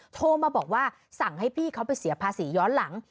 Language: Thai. โทรมาบอกว่าสั่งให้พี่เขาไปเสียภาษีย้อนหลัง